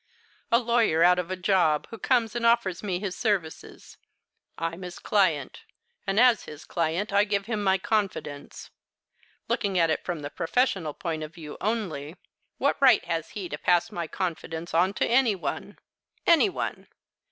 A lawyer out of a job, who comes and offers me his services. I'm his client. As his client I give him my confidence. Looking at it from the professional point of view only, what right has he to pass my confidence on to any one? any one!